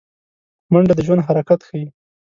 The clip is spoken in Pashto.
منډه د ژوند حرکت ښيي